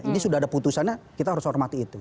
ini sudah ada putusannya kita harus hormati itu